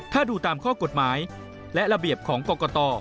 ถ้าดูตามข้อกฎหมายและระเบียบของกรกต